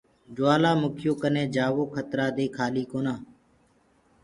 جوآلآ مُکيٚ يو ڪني جآوو کترآ دي کآلي ڪونآ۔